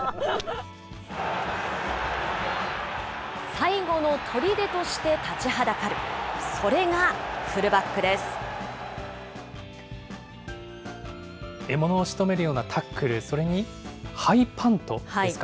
最後のとりでとして立ちはだかる、獲物をしとめるようなタックル、それにハイパントですか？